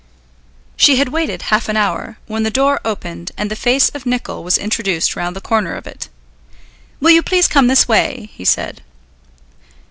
She had waited half an hour, when the door opened and the face of Nicol was introduced round the corner of it. "Will you please come this way," he said.